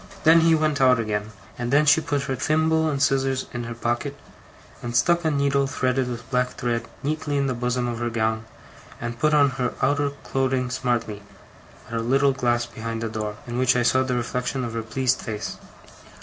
Then he went out again; and then she put her thimble and scissors in her pocket, and stuck a needle threaded with black thread neatly in the bosom of her gown, and put on her outer clothing smartly, at a little glass behind the door, in which I saw the reflection of her pleased face.